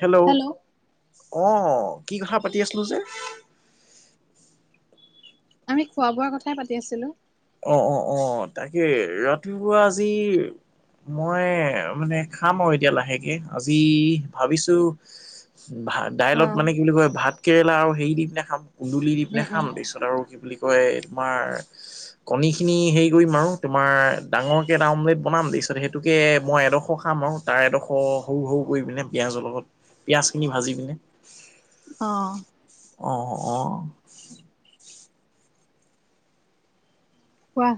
Hello অ কি কথা পাতি আছিলো যে আমি খোৱা-বোৱাৰ কথাই পাতি আছিলো অ অ অ তাকে ৰাতিপুৱা আজিৰ মই মানে খাম আৰু এতিয়া লাহেকে আজি ভাবিছো ভাত দাইলত উম মানে কি বুলি কয় ভাত কেৰেলা আৰু হেৰি দি পিনে খাম কুন্দুলি দি পিনে উম খাম তাৰপিছত আৰু কি বুলি কয় তোমাৰ কণীখিনি হেৰি কৰিম আৰু তোমাৰ ডাঙৰকৈ এটা অমলেট বনাম তাৰ পিছত সেইটোকে মই এডখৰ খাম আৰু তাৰ এডখ সৰু সৰু কৰি পিনে পিঁয়াজৰ লগত পিঁয়াজখিনি ভাজি পিনে অ। অ অ। কোৱা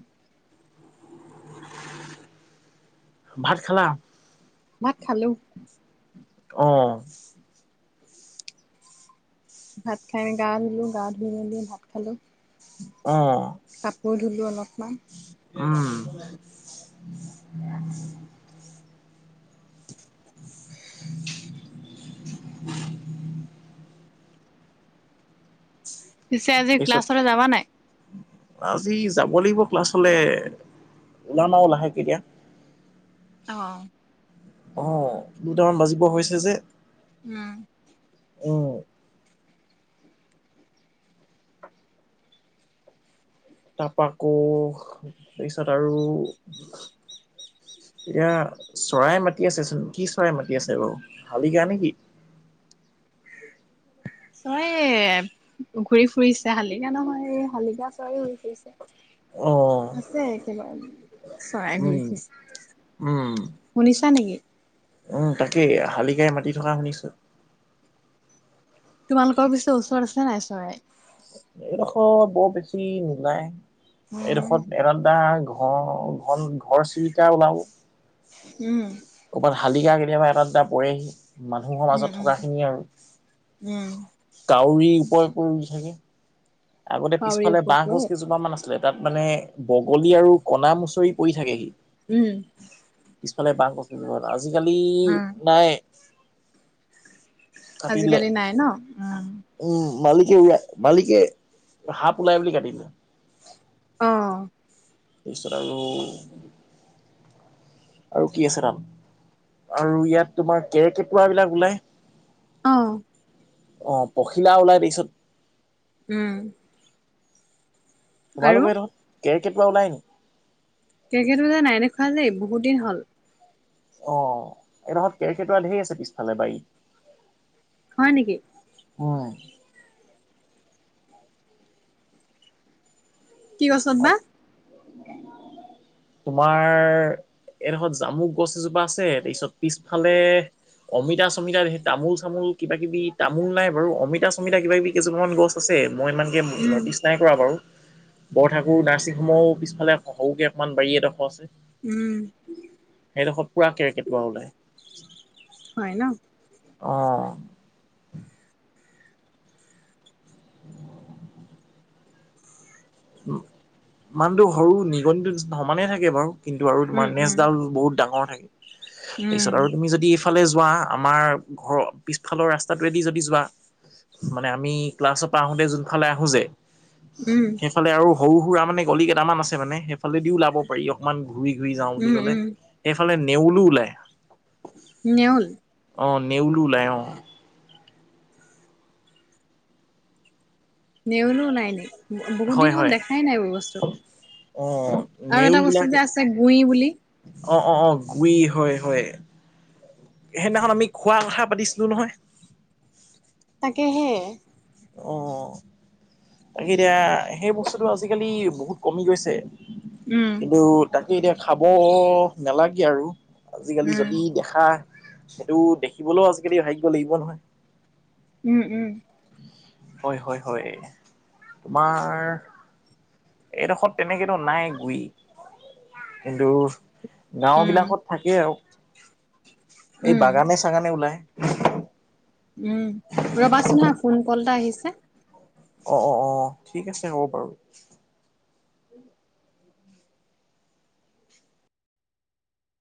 ভাত খালা। ভাত খালোঁ। অ। ভাত খাই গা ধুলো, গা ধুই মেলি ভাত খালো। অ কাপোৰ ধুলোঁ অলপমান। উম। [inaudible] [unintelligible] পিছে আজি তাৰপিছত ক্লাছলে যাবা নাই? আজি যাব লাগিব ক্লাছলে ওলাম আৱ লাহেকে এতিয়া অঁ অ দুটামান বাজিব হৈছে যে উম। উম তাপা আকৌ তাৰপিছত আৰু। ইয়া চৰাই মাতি আছে চোন কি চৰাই মাতি আছে বাৰু শালিকা নেকি? চৰাইয়ে ঘূৰি ফুৰিছে শালিকা নহয় এই শালিকা চৰাই উৰি ফুৰিছে। অ। আছে একেবাৰে চৰাই উম ঘূৰি ফুৰিছে উম শুনিছা নেকি? উম তাকেই শালিকাই মাতি থকা শুনিছোঁ। তোমালোকৰ পিছৰ ওচৰত আছে নাই চৰাই? এইডখৰ বৰ বেছি নাই উম এইডখৰত এডাল বাঁহ অ ঘন ঘৰ চিৰিকা ওলাব। উম। কবাত শালিকা কেতিয়াবা এটা দুটা পৰেহি। মানুহৰ উম মাজত উম থকা খিনিয়ে আৰু উম কাউৰী উপৰ উপৰে উৰি থাকে। আগতে কাউৰী পিছফালে বাহঁ ওপকৈ গছ কেইজোপা মান আছে। লে তাত মানে বগলী আৰু কণা মুচৰি পৰি থাকে সি। উম। পিছফালে বাহঁ গছ আজিকালি উম নাই। কাটি দিলে। আজিকালি নাই ন উম। উম মালিকে মালিকে। সাপ ওলাই বুলি কাটিলে। অহ। তাৰপিছত আৰু আৰু কি আছে কাম। আৰু ইয়াত তোমাৰ কেৰৰ্কেটুৱা বিলাক ওলায়। অহ। অ পখিলা ওলাই দেৰিছত। উম। আৰু তোমালোকৰ এইদখত কেৰৰ্কেটুৱা ওলাই নি? কেৰৰ্কেটোৱা যে নাই দেখুৱা দেই বহুত দিন হ'ল। অ এই দখত কেৰ্কেটুৱা ঢেৰ আছে পিছফালে বাৰীত। হয় নেকি? হয়। কি গছত অ বা? তোমাৰ এইডখত জামুক গছ এজোপা আছে তাৰপিছত পিছফালে। অমিতা- চমিতা তামোল -চামোল কিবা -কিবি তামোল নাই বাৰু অমিতা চমিতা কিবা -কিবি কেইজোপামান গছ গছে মই ইমানকে উম, নটিচ নাই কৰা বাৰু। বৰঠাকুৰ নাৰ্ছিং হোমৰো পিফালে সৰুকে অকমান বাৰী এডখ আছে। উম। সেইডখত পূৰা কেৰ্কেটুৱা ওলাই। হয় ন। অ। অ। উ মানুহটো সৰু নিগনিটো সমানে থাকে বাৰু। কিন্তু আৰু তোমাৰ উম, উম, নেজডাল বহুত ডাঙৰ থাকে। উম, তাৰপিছত আৰু তুমি যদি পিছফালে যোৱা আমাৰ ঘৰৰ পিছফালৰ ৰাস্তাটোৱেদি যদি যোৱা। মানে আমি ক্লাছৰ পৰা আহোতে যোনফালে আহো যে। উম। [unintelligible] আৰু সৰু সুৰা মানে গলি কেইটামান আছে মানে সে সেইফালেদিও ওলাব পাৰি অকমান ঘূৰি ঘূৰি যাওঁ বুলি উম, ক'লে। উম, সেইফালে নেউলো ওলায়। নেউল? অ, নেউলো ওলাই অ। নেউলো নাই নি? ব বহুত দিন হয় হ'ল হয় দেখাই নাই এইবোৰ বস্তু। অ আৰু এটা নেউল বস্তু বিলাকে যে আছ গুই বুলি। অ, অ, অ গুই হয়, হয়। সেইদিনাখন আমি খোৱা কথা পাতিছিলো নহয়। তাকেহে। অ। তাকে এতিয়া সেই বস্তুটো আজি-কালি বহুত কমি গৈছে, উম, কিন্তু তাকে এতিয়া খাব নালাগে আৰু আজি-কালি উম, যদি দেখা সেইটো দেখিবলৈও আজি-কালি ভাগ্য লাগিব নহয়। উম, উম। হয়, হয়, হয়। তোমাৰ এইডোখৰত তেনেকেতো নাই গুই, কিন্তু গাঁও উম, বিলাকত থাকেই আও এই উম, বাগানে-চাগানে ওলায়। উম, ৰবাচোন হা ফোন কল এটা আহিছে। অ, অ, অ ঠিক আছে হ'ব বাৰু।